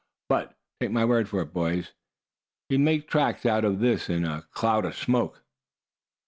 but take my word for it, boys, he'd make tracks out of this in a cloud of smoke."